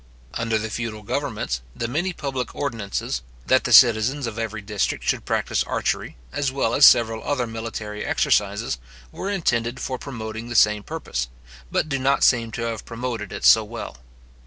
Under the feudal governments, the many public ordinances, that the citizens of every district should practise archery, as well as several other military exercises, were intended for promoting the same purpose, but do not seem to have promoted it so well.